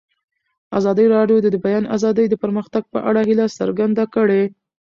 ازادي راډیو د د بیان آزادي د پرمختګ په اړه هیله څرګنده کړې.